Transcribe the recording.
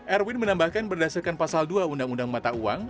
erwin menambahkan berdasarkan pasal dua undang undang mata uang